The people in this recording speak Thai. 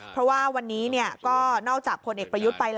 เพราะว่าวันนี้ก็นอกจากพลเอกประยุทธ์ไปแล้ว